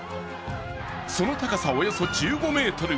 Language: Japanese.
その高さおよそ１５ｍ。